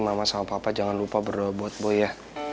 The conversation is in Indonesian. mama sama papa jangan lupa berdoa buat boy ya